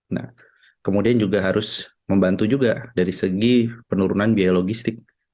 nah kemudian juga harus membantu juga dari segi penurunan biaya logistik